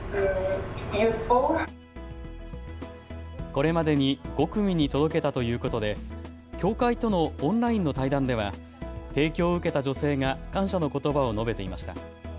これまでに５組に届けたということで協会とのオンラインの対談では提供を受けた女性が感謝のことばを述べていました。